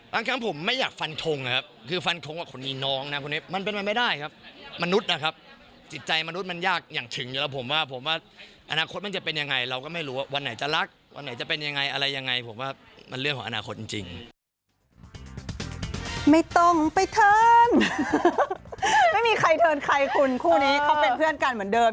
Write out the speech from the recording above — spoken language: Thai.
เทิ่นไม่มีใครเทินใครคุณคู่นี้เขาเป็นเพื่อนกันเหมือนเดิม